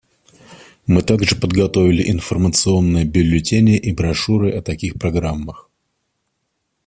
Мы также подготовили информационные бюллетени и брошюры о таких программах.